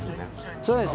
そうですね。